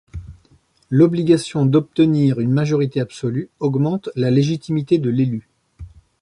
L'obligation d'obtenir une majorité absolue augmente la légitimité de l'élu.